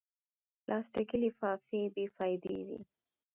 پلاستيکي لفافې بېفایدې وي.